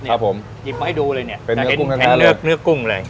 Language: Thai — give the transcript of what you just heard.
ครับผมยิบไว้ดูเลยเนี้ยเป็นเนื้อกุ้งแช่เลยแต่เป็นเนื้อเนื้อกุ้งเลย